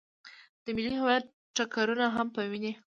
د ملي هویت ټکرونه هم په ويني.